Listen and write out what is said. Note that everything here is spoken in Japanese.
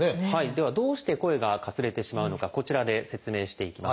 ではどうして声がかすれてしまうのかこちらで説明していきます。